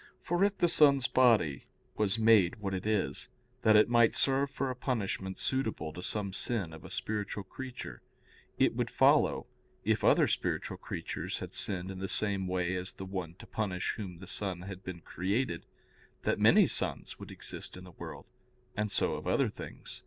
For it the sun's body was made what it is, that it might serve for a punishment suitable to some sin of a spiritual creature, it would follow, if other spiritual creatures had sinned in the same way as the one to punish whom the sun had been created, that many suns would exist in the world; and so of other things.